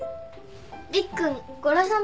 りっくんゴロさん